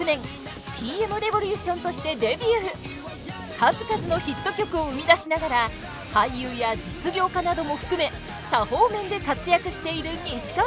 数々のヒット曲を生み出しながら俳優や実業家なども含め多方面で活躍している西川さん。